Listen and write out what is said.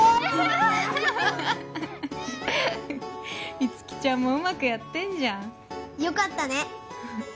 いつきちゃんもうまくやってんじゃんよかったね